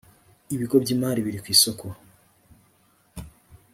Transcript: ibigo by imari biri ku isoko